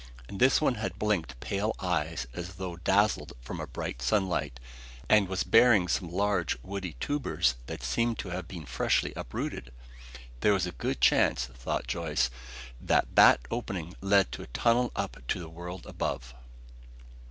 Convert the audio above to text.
And this one had blinked pale eyes as though dazzled from bright sunlight and was bearing some large, woody looking tubers that seemed to have been freshly uprooted! There was a good chance, thought Joyce, that that opening led to a tunnel up to the world above!